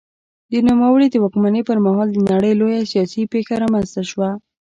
د نوموړي د واکمنۍ پر مهال د نړۍ لویه سیاسي پېښه رامنځته شوه.